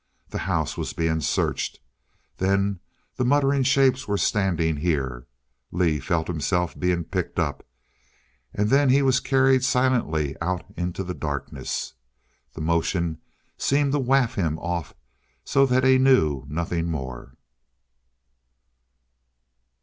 The house was being searched.... Then the muttering shapes were standing here. Lee felt himself being picked up. And then he was carried silently out into the darkness. The motion seemed to waft him off so that he knew nothing more.